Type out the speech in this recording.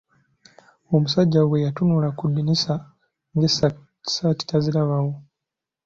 Omusajja bwe yatunula ku ddirisa ng'essaati tazilabawo.